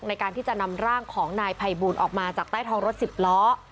ในการที่จะนำร่างของนายภัยบูลออกมาจากใต้ท้องรถสิบล้อ